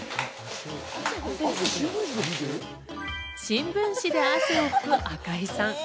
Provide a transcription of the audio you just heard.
新聞紙で汗を拭く赤井さん。